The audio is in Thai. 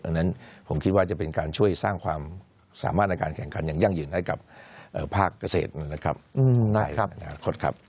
ดังนั้นผมคิดว่าจะเป็นการช่วยสร้างความสามารถในการแข่งขันอย่างยั่งยืนให้กับภาคเกษตรนะครับได้ในอนาคตครับ